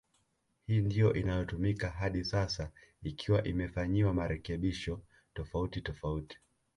Hii ndio inayotumika hadi sasa ikiwa imefanyiwa marekebisho tofauti tofauti